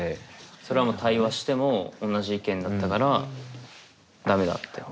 それは対話しても同じ意見だったから駄目だって。